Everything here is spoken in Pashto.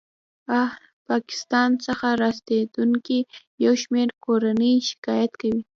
ه پاکستان څخه راستنېدونکې یو شمېر کورنۍ شکایت کوي